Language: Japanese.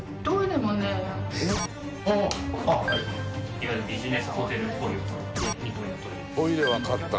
いわゆるビジネスホテルっぽい。